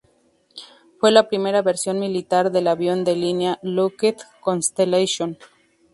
Fue la primera versión militar del avión de línea Lockheed Constellation.